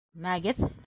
Мәгеҙ!